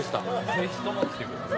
ぜひとも来てください。